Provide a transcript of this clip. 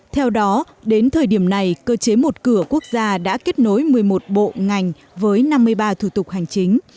theo đó đến thời điểm này cơ chế một cửa quốc gia đã kết nối một mươi một bộ ngành với năm mươi ba thủ tục hành chính